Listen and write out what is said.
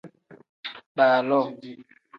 Baaloo.